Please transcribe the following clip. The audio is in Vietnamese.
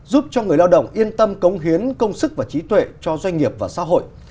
giúp cho người lao động yên tâm cống hiến công sức và trí tuệ cho doanh nghiệp và xã hội